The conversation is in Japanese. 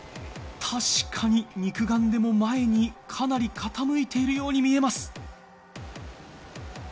確かに肉眼でも前にかなり傾いているように見えます。